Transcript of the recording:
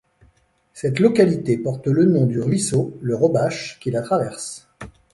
Cette localité porte le nom du ruisseau, le Robache, qui la traverse.